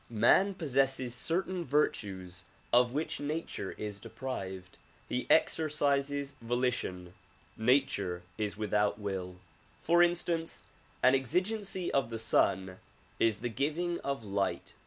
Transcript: Man possesses certain virtues of which nature is deprived. He exercises volition ; nature is without will. For instance, an exigency of the sun is the giving of light.